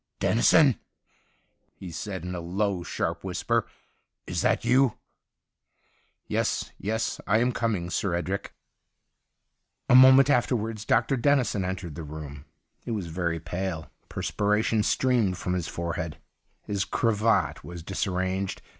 ' Dennison,' he said, in a low, sharp whisper, is that you ?'* Yes, yes. I am coming. Sir Edric' 113 THE UNDYING THING A moment afterwards Dr. Denni son entered the room. He was very pale ; perspiration streamed from his forehead ; his cravat was disai'ranged.